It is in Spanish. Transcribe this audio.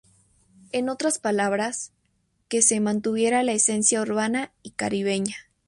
En otras palabras, que se mantuviera la esencia urbana y caribeña.